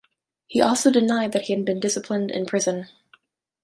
He also denied that he had been disciplined in prison.